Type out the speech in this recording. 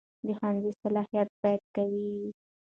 د ښوونځي صلاحیت باید قوي وي.